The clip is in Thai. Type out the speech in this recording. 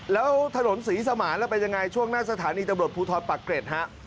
แล้วถนนศรีสมานแล้วเป็นยังไงช่วงหน้าสถานีตำรวจภูทรปักเกร็ดฮะ